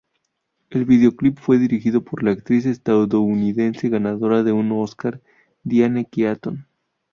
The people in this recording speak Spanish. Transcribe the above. El videoclip fue dirigido por la actriz estadounidense ganadora de un Óscar, Diane Keaton.